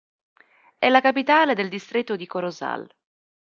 È la capitale del distretto di Corozal.